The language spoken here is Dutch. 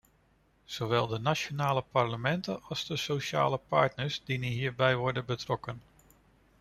Zowel de nationale parlementen als de sociale partners dienen hierbij worden betrokken.